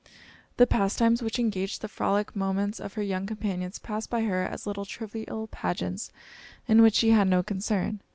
The pastimes which engaged the frolic moments of her young companions passed by her as little trivial pageants in which she had no concern.